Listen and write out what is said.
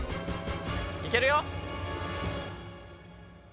いけるよ。